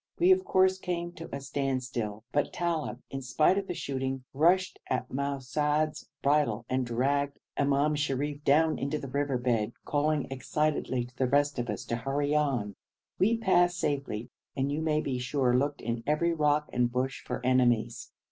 We of course came to a standstill, but Talib, in spite of the shooting, rushed at Mahsoud's bridle and dragged Imam Sharif down into the river bed, calling excitedly to the rest of us to hurry on. We passed safely, and you may be sure looked in every rock and bush for enemies.